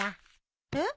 えっ？